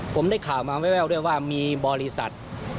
ผมได้ข่าวมาแววด้วยว่ามีบริษัท